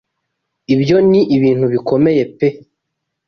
ibyo ni ibintu bikomeye! pe